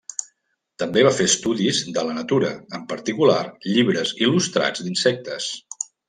També va fer estudis de la natura, en particular llibres il·lustrats d'insectes.